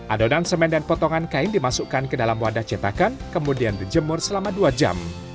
adonan semen dan potongan kain dimasukkan ke dalam wadah cetakan kemudian dijemur selama dua jam